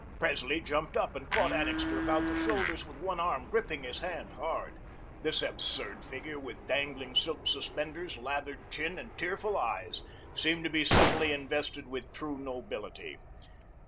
Presley jumped up, and caught Annixter about the shoulders with one arm, gripping his hand hard. This absurd figure, with dangling silk suspenders, lathered chin, and tearful eyes, seemed to be suddenly invested with true nobility.